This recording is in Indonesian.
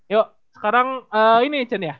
yuk sekarang ini izin ya